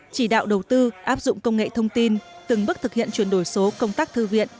chỉ đạo đầu tư áp dụng công nghệ thông tin từng bước thực hiện chuyển đổi số công tác thư viện